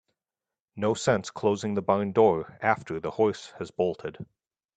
No sense closing the barn door after the horse has bolted.